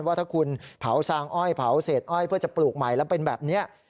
ว่าถ้าคุณเผาซางอ้อยเผาเศษอ้อยเพื่อจะปลูกใหม่แล้วเป็นแบบนี้